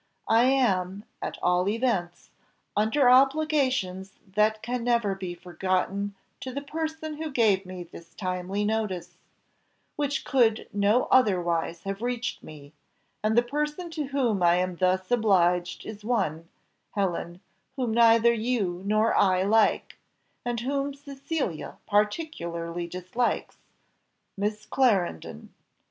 I am, at all events, under obligations that can never be forgotten to the person who gave me this timely notice, which could no otherwise have reached me, and the person to whom I am thus obliged is one, Helen, whom neither you nor I like, and whom Cecilia particularly dislikes Miss Clarendon!